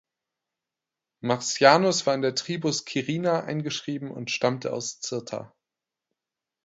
Marcianus war in der Tribus "Quirina" eingeschrieben und stammte aus Cirta.